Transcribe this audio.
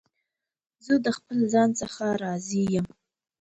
زه د خپل ځان څخه راضي یم.